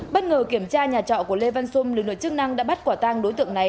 bất ngờ kiểm tra nhà trọ của lê văn xung lưu nội chức năng đã bắt quả tàng đối tượng này